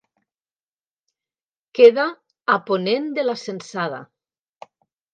Queda a ponent de la Censada.